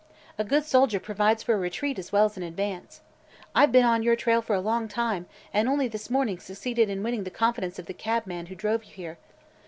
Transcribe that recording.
A good soldier provides for a retreat as well as an advance. I've been on your trail for a long time and only this morning succeeded in winning the confidence of the cabman who drove you here.